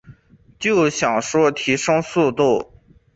就想说提升速度